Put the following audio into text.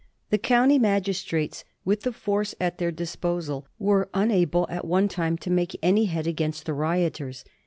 The county magistrates, with the force at their disposal, were unable at one time to make any head against the rioters.